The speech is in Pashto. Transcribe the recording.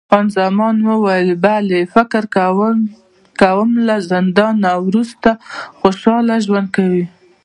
خان زمان وویل، بلی، فکر کوم له زندانه وروسته خوشحاله ژوند کوي.